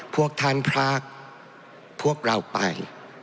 พวกท่านพรากพวกเราไป